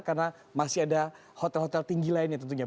karena masih ada hotel hotel tinggi lainnya tentunya